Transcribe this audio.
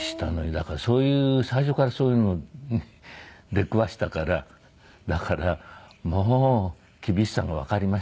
だからそういう最初からそういうのに出くわしたからだからもう厳しさがわかりましたね